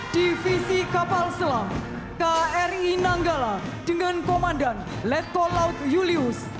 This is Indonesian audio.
divisi kapal selam kri nanggala dengan komandan letkol laut julius